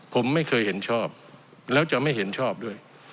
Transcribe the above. ผมไม่เคยเห็นชอบแล้วจะไม่เห็นชอบด้วย